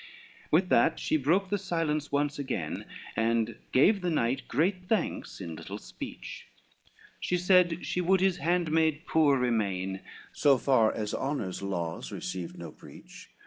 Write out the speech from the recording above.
LXXXV With that she broke the silence once again, And gave the knight great thanks in little speech, She said she would his handmaid poor remain, So far as honor's laws received no breach.